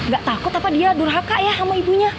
gak takut apa dia durhaka ya sama ibunya